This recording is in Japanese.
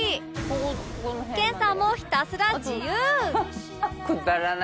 研さんもひたすら自由！